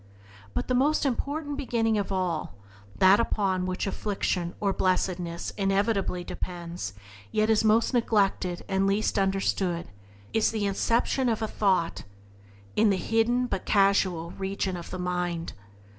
But the most important beginning of all — that upon which afflication or blessedness inevitably depends, yet is most neglected and least understood — is the inception of thought in the hidden, but causal, region of the mind.